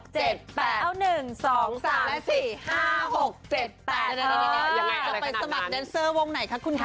จะไปสมัครแดนเซอร์วงไหนคะคุณคะ